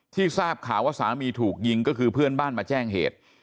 ทราบข่าวว่าสามีถูกยิงก็คือเพื่อนบ้านมาแจ้งเหตุ